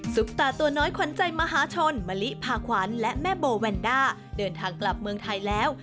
ตาตัวน้อยขวัญใจมหาชนมะลิพาขวัญและแม่โบแวนด้าเดินทางกลับเมืองไทยแล้ว